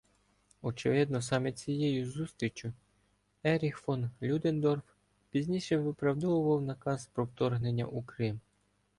Очевидно, саме цією зустріччю Еріх фон Людендорф пізніше виправдовував наказ про вторгнення у Крим.